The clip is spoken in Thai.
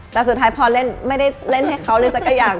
แต่สุดท้ายพอเล่นไม่ได้เล่นให้เขาเลยสักอย่าง